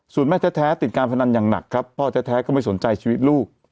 ส่วนแม่แท้ติดการพนันอย่างหนักครับพ่อแท้ก็ไม่สนใจชีวิตลูก